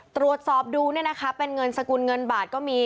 ตรวจสอบดูเนี่ยนะคะเป็นเงินสกุลเงินบาทก็มี